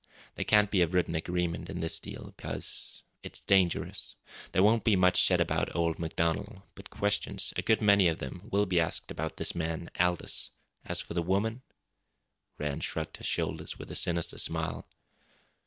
There can't be a written agreement in this deal because it's dangerous. There won't be much said about old MacDonald. But questions, a good many of them, will be asked about this man Aldous. As for the woman " Rann shrugged his shoulders with a sinister smile.